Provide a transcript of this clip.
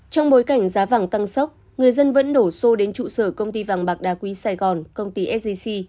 trong bối cảnh giá vàng tăng sốc người dân vẫn đổ xô đến trụ sở công ty vàng bạc đa quý sài gòn công ty sgc